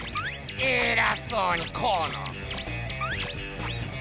えらそうにこの！